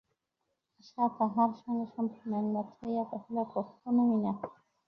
আশা তাহার সঙ্গে সম্পূর্ণ একমত হইয়া কহিল, কখনোই না।